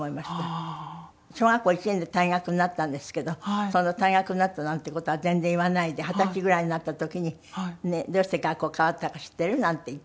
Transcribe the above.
小学校１年で退学になったんですけど退学になったなんて事は全然言わないで二十歳ぐらいになった時に「どうして学校替わったか知ってる？」なんて言って。